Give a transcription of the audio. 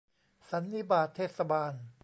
สันนิบาตเทศบาล